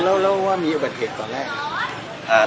แล้วว่ามีอุบัติเหตุตอนแรก